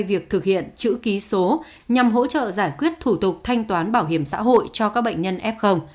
việc thực hiện chữ ký số nhằm hỗ trợ giải quyết thủ tục thanh toán bảo hiểm xã hội cho các bệnh nhân f